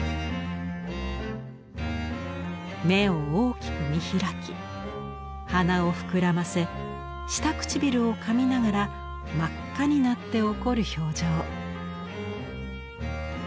目を大きく見開き鼻を膨らませ下唇をかみながら真っ赤になって怒る表情。